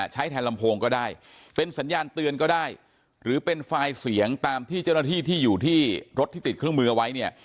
ใช้แทนลำโพงก็ได้เป็นสัญญาณเตือนก็ได้หรือเป็นไฟล์เสียงตามที่เจ้าหน้าที่ที่อยู่ที่รถที่ติดเครื่องมือเอาไว้เนี่ย